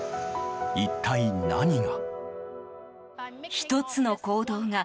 一体何が。